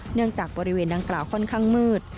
เนื่องจากบริเวณดังกล่าวค่อนข้างมืด